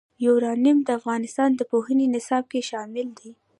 یورانیم د افغانستان د پوهنې نصاب کې شامل دي.